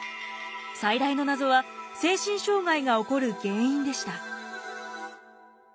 最大の謎は精神障害が起こる原因でした。